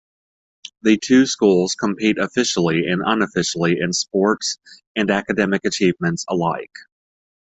The two schools compete officially and unofficially in sports and academic achievements alike.